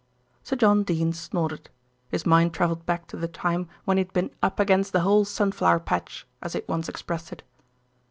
Sir John Dene snorted. His mind travelled back to the time when he had been "up against the whole sunflower patch," as he had once expressed it.